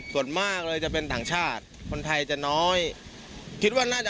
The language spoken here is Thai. คนแบบนี้ก็รู้